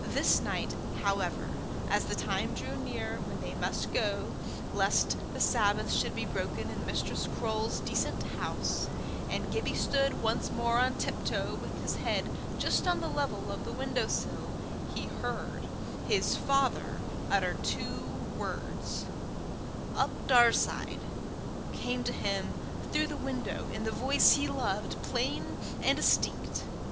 This night, however, as the time drew near when they must go, lest the Sabbath should be broken in Mistress Croale's decent house, and Gibbie stood once more on tiptoe, with his head just on the level of the windowsill, he heard his father utter two words: "Up Daurside" came to him through the window, in the voice he loved, plain and distinct.